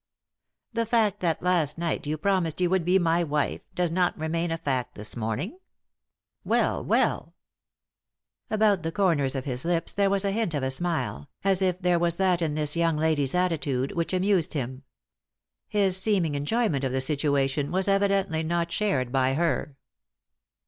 "The fact that last night you promised you would be my wife does not remain a fact this morning ? Well, well I " About the comers of his lips there was the hint of a smile, as if there was that in this young lady's attitude 3i 9 iii^d by Google THE INTERRUPTED KISS which amused him. His seeming enjoyment of the situation was evidently not shared by her.